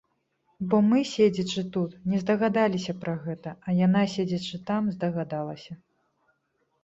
Бо мы, седзячы тут, не здагадаліся пра гэта, а яна, седзячы там, здагадалася.